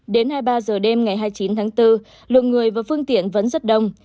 đến hai mươi ba giờ đêm ngày hai mươi chín tháng bốn lượng người và phương tiện vẫn rất đông